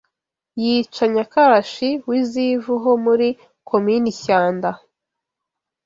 yica Nyakarashi w’i Zivu ho muri Komini Shyanda